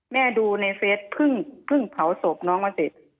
ดูในเฟสเพิ่งเผาศพน้องมาเสร็จ